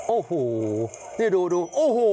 โอ้โหนี่ดูดูโอ้โห